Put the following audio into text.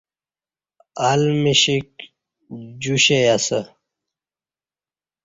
ال مشیک جوشئ اسہ